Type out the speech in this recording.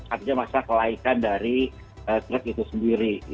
artinya masa kelaikan dari truk itu sendiri